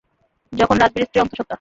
যখন রাজবীরের স্ত্রী অন্তঃসত্ত্বা।